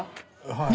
はい。